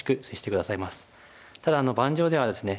ただ盤上ではですね